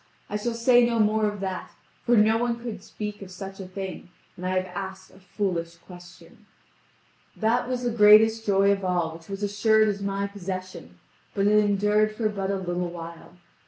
I shall say no more of that, for no one could speak of such a thing; and I have asked a foolish question. That was the greatest joy of all which was assured as my possession, but it endured for but a little while.